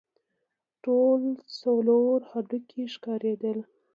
ټول څلور هډوکي ښکارېدل.